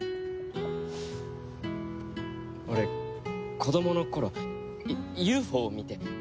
俺子供の頃ＵＦＯを見て。